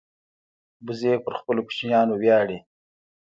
وزې پر خپلو کوچنیانو ویاړي